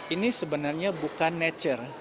ini sebenarnya bukan nature